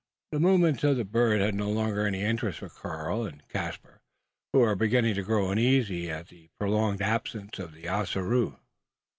The movements of the bird had no longer any interest for Karl and Caspar who were beginning to grow uneasy at the prolonged absence of Ossaroo.